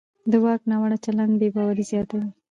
د واک ناوړه چلند بې باوري زیاتوي